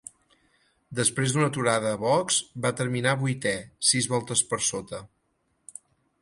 Després d'una aturada a boxs, va terminar vuitè, sis voltes per sota.